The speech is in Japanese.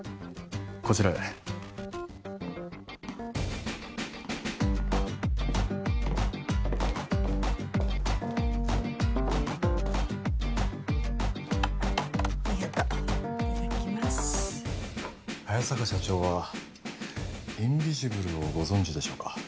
こちらへありがとういただきます早坂社長はインビジブルをご存じでしょうか？